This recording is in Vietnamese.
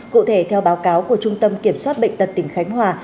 cụ thể theo báo cáo của trung tâm kiểm soát bệnh tật tỉnh khánh hòa